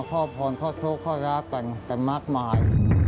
ข้อโพนข้อทุกข้อรับเป็นมากมาย